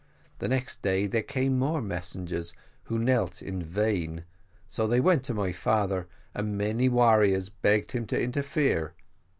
The next day there came more messengers, who knelt in vain, so they went to my father, and many warriors begged him to interfere.